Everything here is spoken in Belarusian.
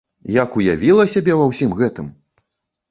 Як уявіла сябе ва ўсім гэтым!